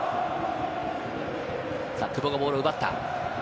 久保がボールを奪った。